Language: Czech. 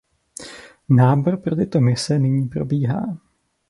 Nábor pro tyto mise nyní probíhá.